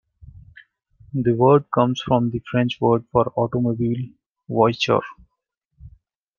The word comes from the French word for "automobile", "voiture".